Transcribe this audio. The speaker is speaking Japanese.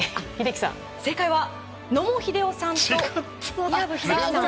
正解は野茂英雄さんと伊良部秀輝さん